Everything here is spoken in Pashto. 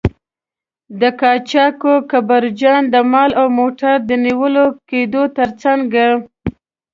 د قاچاقبرجان د مال او موټر د نیول کیدو تر څنګه.